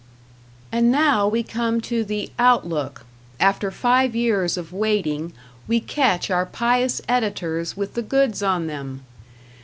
And now we come to the "Outlook"; after five years of waiting, we catch our pious editors with the goods on them!